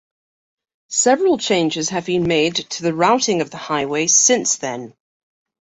Several changes have been made to the routing of the highway since then.